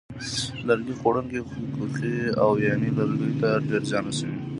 لرګي خوړونکې کوخۍ او وایینې لرګیو ته ډېر زیان رسوي.